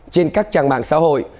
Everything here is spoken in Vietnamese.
trên các trang mạng xã hội